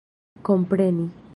kompreni